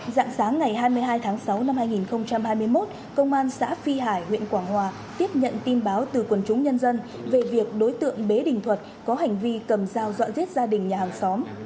dạng sáng ngày hai mươi hai tháng sáu năm hai nghìn hai mươi một công an xã phi hải huyện quảng hòa tiếp nhận tin báo từ quần chúng nhân dân về việc đối tượng bế đình thuật có hành vi cầm dao dọn giết gia đình nhà hàng xóm